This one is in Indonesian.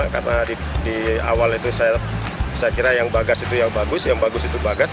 karena di awal itu saya kira yang bagas itu yang bagus yang bagus itu bagas